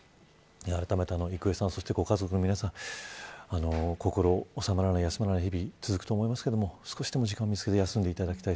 あらためて郁恵さんご家族の皆さん心休まらない日々が続くと思いますけども少しでも時間を見つけて休んでいただきたい。